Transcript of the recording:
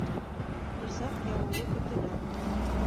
Борсаҡ яуыуы көтөлә